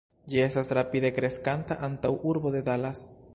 Ĝi estas rapide kreskanta antaŭurbo de Dallas.